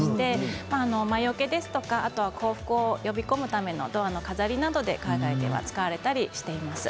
魔よけですとか幸福を呼び込むためのドアの飾りなどで考えたりしています。